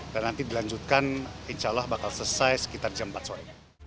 dan nanti dilanjutkan insya allah bakal selesai sekitar jam empat sore